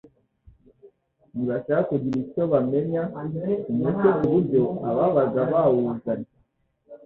ntibashaka kugira icyo bamenya ku mucyo ku buryo ababaga bawuzanye,